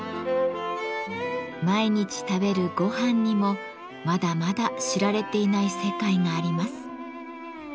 毎日食べる「ごはん」にもまだまだ知られていない世界があります。